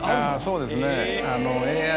そうですねＡＩ